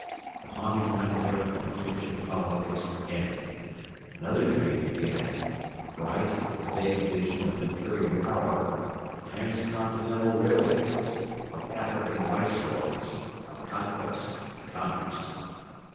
The haunting nightmare of Egyptian politics ended. Another dream began a bright if vague vision of Imperial power, of trans continental railways, of African Viceroys, of conquest and commerce.